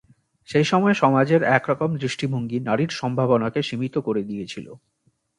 সেইসময় সমাজের এরকম দৃষ্টিভঙ্গি নারীর সম্ভাবনাকে সীমিত করে দিয়েছিল।